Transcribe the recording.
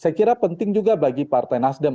saya kira penting juga bagi partai nasdem